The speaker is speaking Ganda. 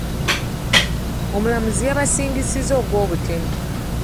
Omulamuzi yabasingizizza gw'obutemu.